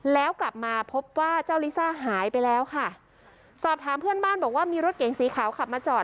แล้วกลับมาพบว่าเจ้าลิซ่าหายไปแล้วค่ะสอบถามเพื่อนบ้านบอกว่ามีรถเก๋งสีขาวขับมาจอด